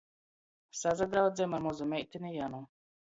Sasadraudzejam ar mozu meitini Janu.